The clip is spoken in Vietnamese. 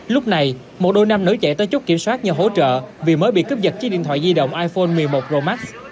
lúc này một đôi nam nữ chạy tới chốt kiểm soát nhờ hỗ trợ vì mới bị cướp giật chiếc điện thoại di động iphone một mươi một pro max